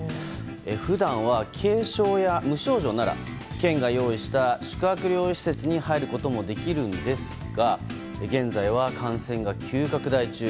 普段は軽症や無症状なら県が用意した宿泊療養施設に入ることもできるんですが現在は感染が急拡大中。